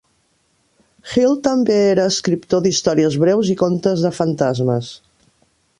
Hill també era escriptor d'històries breus i contes de fantasmes.